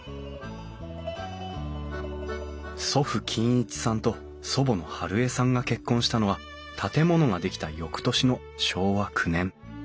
祖父金一さんと祖母の春枝さんが結婚したのは建物が出来た翌年の昭和９年。